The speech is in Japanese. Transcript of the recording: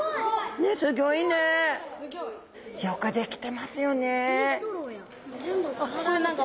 よくできてますよね。